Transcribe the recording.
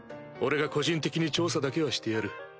俺が個人的に調査だけはしてやる。